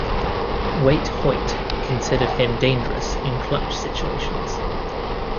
Waite Hoyt considered him dangerous in clutch situations.